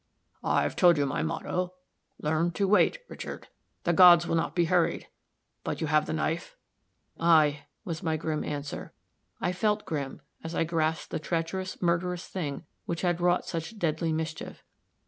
"I've told you my motto 'learn to wait,' Richard. The gods will not be hurried; but have you the knife?" "Ay!" was my grim answer; I felt grim, as I grasped the treacherous, murderous thing which had wrought such deadly mischief.